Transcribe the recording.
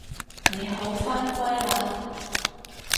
你好返歸喇